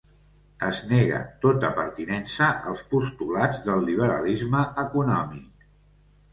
Es nega tota pertinença als postulats del liberalisme econòmic.